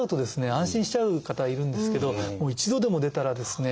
安心しちゃう方がいるんですけどもう一度でも出たらですね